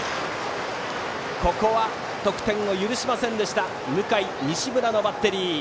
ここは得点を許しませんでした向井、西村のバッテリー。